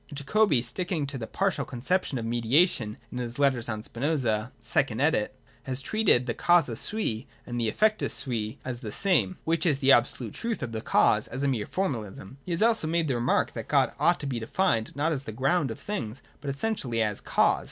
— Jacobi, sticking to the partial conception of mediation (in his Letters on Spinoza, second edit. p. 416), has treated the causa sui (and the effectus sui is the same), which is the absolute truth of the cause, as a mere formalism. He has also made the remark that God ought to be defined not as the ground of things, but essentially as cause.